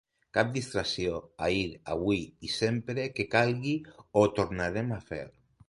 Cap distracció: ahir, avui i sempre que calgui, ho tornarem a fer.